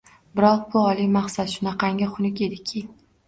Biroq, bu oliy maqsad shunaqangi xunuk ediki!